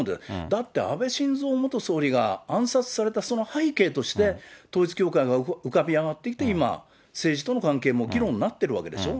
だって安倍晋三元総理が暗殺されたその背景として、統一教会が浮かび上がってきて、今、政治との関係も議論になっているわけでしょ。